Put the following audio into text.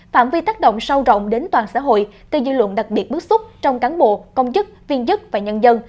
phạm vi tác động sâu rộng đến toàn xã hội gây dư luận đặc biệt bức xúc trong cán bộ công chức viên chức và nhân dân